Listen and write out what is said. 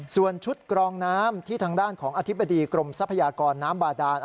ส่วนชุดกรองน้ำที่ทางด้านของอธิบดีกรมทรัพยากรน้ำบาดาน